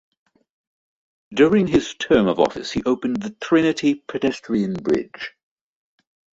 During his term of office he opened the Trinity pedestrian bridge.